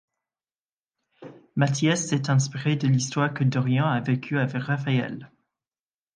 Mathias s’est inspiré de l’histoire que Dorian a vécu avec Raphaëlle.